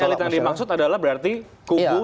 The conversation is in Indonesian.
jadi alit yang dimaksud adalah berarti kubu satu